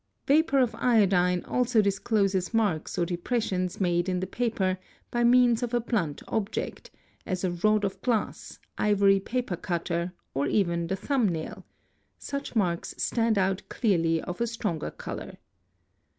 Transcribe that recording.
Vapour of iodine also discloses marks or depressions made in the paper by means of a blunt 'object, as a rod of glass, ivory paper cutter, or even the thumb nail— 'such marks stand out clearly of a stronger colour.